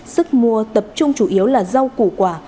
sức mua tập trung chủ yếu là rau củ quả